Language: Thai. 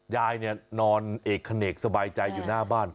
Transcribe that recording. ยายเนี่ยนอนเอกเขนกสบายใจอยู่หน้าบ้าน